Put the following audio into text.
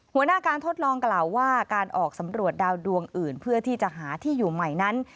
หัวหน้าการทดลองกล่าวว่าการออกสำรวจดาวดวงอื่นเพื่อที่จะหาที่อยู่ใหม่นั้น